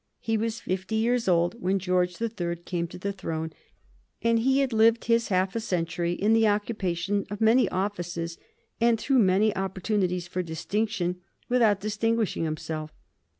He was fifty years old when George the Third came to the throne, and he had lived his half a century in the occupation of many offices and through many opportunities for distinction without distinguishing himself.